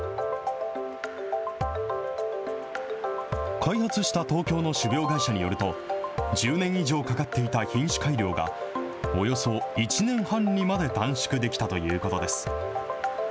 開発した東京の種苗会社によると、１０年以上かかっていた品種改良が、およそ１年半にまで短縮できたということです。